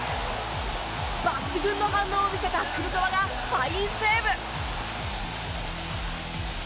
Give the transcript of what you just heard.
抜群の反応を見せたクルトワがファインセーブ。